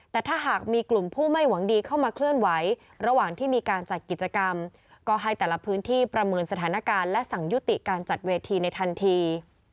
แต่ถ้าหากมีกลุ่มผู้ไม่หวังดีเข้ามาเคลื่อนไหวระหว่างที่มีการจัดกิจกรรมก็ให้แต่ละพื้นที่ประเมินสถานการณ์และสั่งยุติการจัดเวทีในทันที